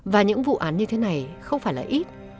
và những vụ án như thế này không phải là ít